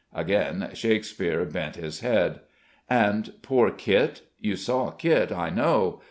Again Shakespeare bent his head. "And poor Kit? You saw Kit, I know